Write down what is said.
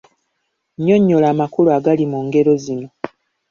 Nnyonnyola amakulu agali mu ngero zino.